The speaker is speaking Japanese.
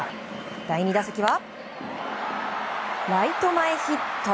第２打席はライト前ヒット。